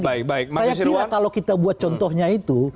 saya kira kalau kita buat contohnya itu